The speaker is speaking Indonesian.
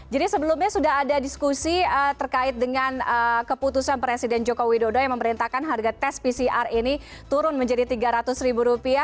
jadi sebelumnya sudah ada diskusi terkait dengan keputusan presiden joko widodo yang memerintahkan harga tes pcr ini turun menjadi tiga ratus ribu rupiah